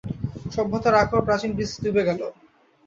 সভ্যতার আকর প্রাচীন গ্রীস ডুবে গেল।